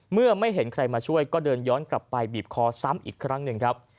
เมื่อไม่เห็นใครมาช่วยก็เดินย้อนกลับไปบีบคอซ้ำอีกครั้งหนึ่งครับ